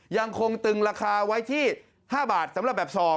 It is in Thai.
ยังคงตึงราคาไว้ที่๕บาทสำหรับแบบซอง